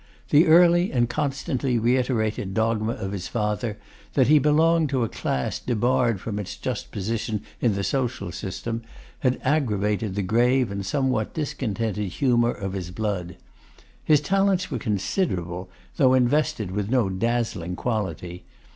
The early and constantly reiterated dogma of his father, that he belonged to a class debarred from its just position in the social system, had aggravated the grave and somewhat discontented humour of his blood. His talents were considerable, though invested with no dazzling quality.